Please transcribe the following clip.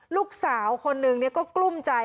ลูกสาวคนนึงก็กลุ้มใจ